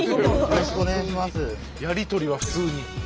やり取りは普通に。